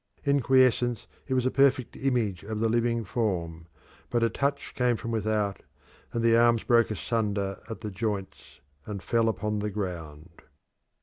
In quiescence it was a perfect image of the living form, but a touch came from without, and the arms broke asunder at the joints and fell upon the ground.